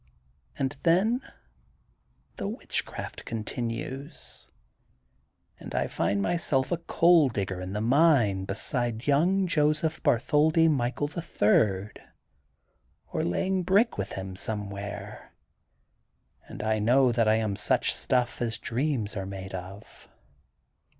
And then the witchcraft con tinues and I find myself a coal digger in the mine beside young Joseph Bartholdi Michael, the Third, or laying brick with him some where, and I know that I am such stuff as dreams are made off.